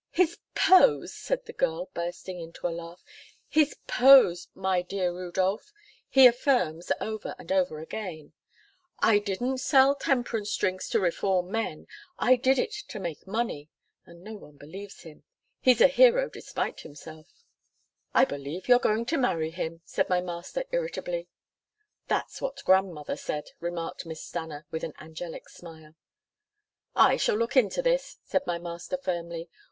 "His pose," said the girl bursting into a laugh, "his pose my dear Rudolph he affirms over and over again, 'I didn't sell temperance drinks to reform men, I did it to make money,' and no one believes him. He's a hero despite himself." "I believe you're going to marry him," said my master irritably. "That's what Grandmother says," remarked Miss Stanna with an angelic smile. "I shall look into this," said my master firmly.